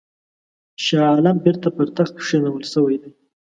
شاه عالم بیرته پر تخت کښېنول سوی دی.